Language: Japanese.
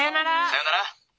さよなら。